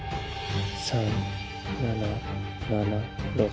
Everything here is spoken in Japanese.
３７７６。